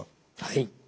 はい。